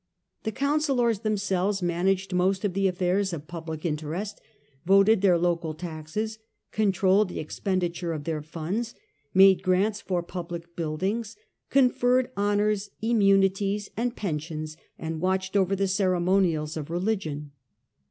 The councillors themselves managed most of the affairs of public interest, voted their local taxes, controlled the expenditure of their funds, made grants for public buildings, conferred honours, immunities, and pensions, and watched over the ceremonials of religion.